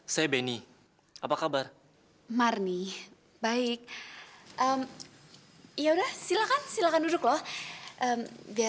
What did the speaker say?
sampai jumpa di video selanjutnya